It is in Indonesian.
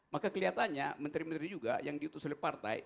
maka kelihatannya menteri menteri juga yang diutus oleh partai